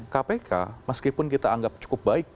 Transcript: kpk meskipun kita anggap cukup baik